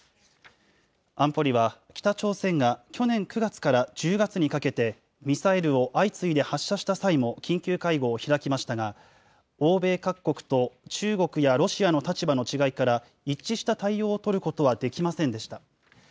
安保理は、北朝鮮が去年９月から１０月にかけて、ミサイルを相次いで発射した際も緊急会合を開きましたが、欧米各国と中国やロシアの立場の違いから、一致した対応を取ることはできませんでした。